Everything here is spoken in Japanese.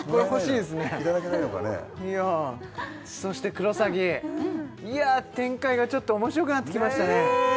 いやそして「クロサギ」いや展開がちょっと面白くなってきましたね